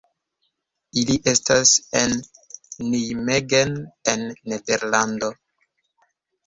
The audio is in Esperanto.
Ili estas el Nijmegen en Nederlando.